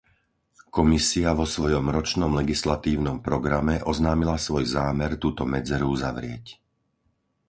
Komisia vo svojom ročnom legislatívnom programe oznámila svoj zámer túto medzeru uzavrieť.